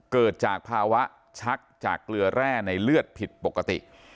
เกิดจากภาวะชักจากเกลือแร่ในเลือดผิดปกติ